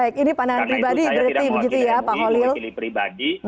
karena itu saya tidak menguasai